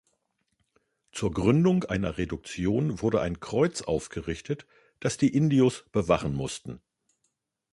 Zur Gründung einer Reduktion wurde ein Kreuz aufgerichtet, das die Indios bewachen mussten.